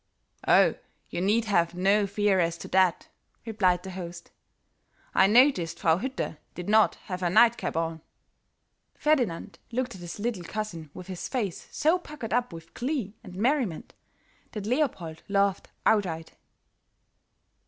"Oh, you need have no fear as to that," replied the host. "I noticed Frau Hütte did not have her night cap on." Ferdinand looked at his little cousin with his face so puckered up with glee and merriment, that Leopold laughed outright.